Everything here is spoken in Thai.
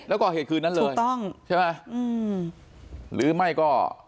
แล้วก่อเหตุคืนนั้นเลยถูกต้องใช่ไหมอืมหรือไม่ก็